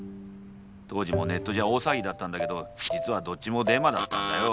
当時もネットじゃ大騒ぎだったんだけど実はどっちもデマだったんだよ。